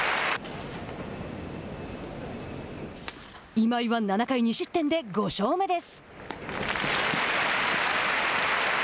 今井は７回２失点で５勝目です。